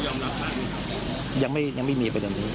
เจ้ากลัวยอมแบบยังไม่ยังไม่มีประเด็นนี้